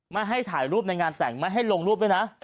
ไม่ให้ถ่ายรูปในงานแต่งไม่ให้ลงรูปด้วยนะ